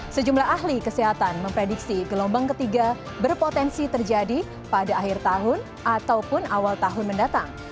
sejumlah ahli kesehatan memprediksi gelombang ketiga berpotensi terjadi pada akhir tahun ataupun awal tahun mendatang